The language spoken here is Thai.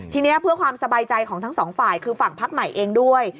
ทีนี้เพื่อความสบายใจของทั้งสองฝ่ายคือฝั่งพักใหม่เองด้วย